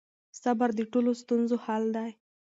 صبر د ټولو ستونزو حل دی.